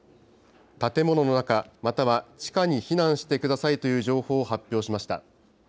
建物の中、または地下に避難してくださいという情報を発表しました。